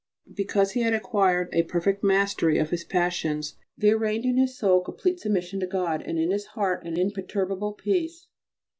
Because he had acquired a perfect mastery of his passions, there reigned in his soul complete submission to God, and in his heart an imperturbable peace.